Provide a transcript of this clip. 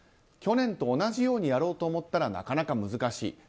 去年と同じようにやろうと思ったら、なかなか難しい。